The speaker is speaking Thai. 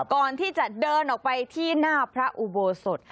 ก่อนที่จะเดินออกไปที่หน้าพระอุโบสถ